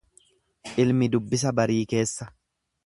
Ilmi dubbisa barii keessa.